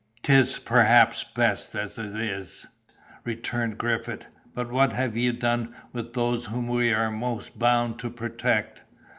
"'Tis perhaps best as it is," returned Griffith; "but what have you done with those whom we are most bound to protect?"